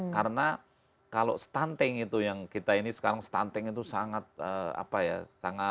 karena kalau stunting itu yang kita ini sekarang stunting itu sangat apa ya